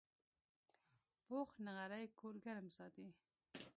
پوخ نغری کور ګرم ساتي